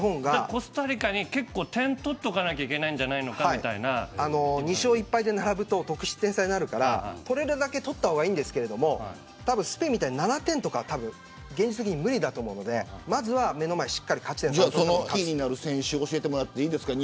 コスタリカに点を取っておかないといけないんじゃないかって２勝１敗で並ぶと得失点差になるから取れるだけ取った方がいいんですけどスペインみたいに７点とかは現実的に無理だと思うのでまずは目の前の勝ち点を３を鍵になる選手を教えてもらっていいですか。